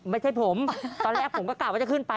ไม่ใช่ผมตอนแรกผมก็กลับว่าจะขึ้นไป